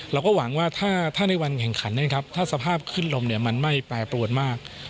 เราก็หวังว่าถ้าในวันแข่งขันนะครับถ้าสภาพขึ้นลมมันไม่แปรปรวนมาก